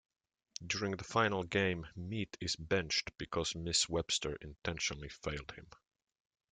During the final game, Meat is benched because Miss Webster intentionally failed him.